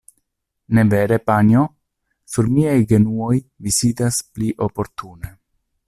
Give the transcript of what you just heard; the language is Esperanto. Ne vere panjo? Sur miaj genuoj vi sidas pli oportune.